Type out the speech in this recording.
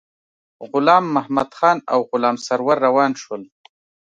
غلام محمدخان او غلام سرور روان شول.